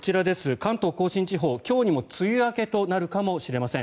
関東・甲信地方今日にも梅雨明けとなるかもしれません。